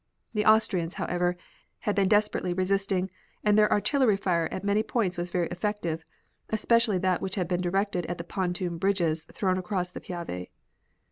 The Austrians, however, had been desperately resisting, and their artillery fire at many points was very effective, especially that which had been directed at the pontoon bridges thrown across the Piave.